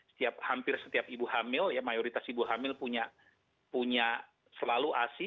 setiap hampir setiap ibu hamil ya mayoritas ibu hamil punya selalu asi